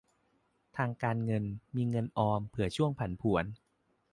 ทางการเงิน : มีเงินออมเผื่อช่วงผันผวน